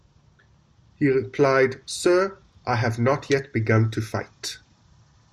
He replied, Sir, I have not yet begun to fight!